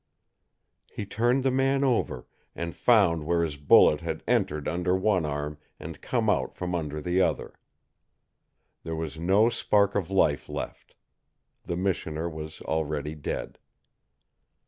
He turned the man over, and found where his bullet had entered under one arm and come out from under the other. There was no spark of life left. The missioner was already dead.